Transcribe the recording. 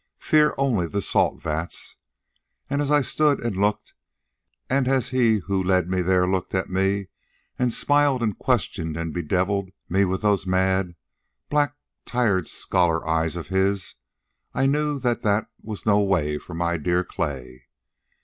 Fear only the salt vats. And as I stood and looked, and as he who led me there looked at me and smiled and questioned and bedeviled me with those mad, black, tired scholar's eyes of his, I knew that that was no way for my dear clay.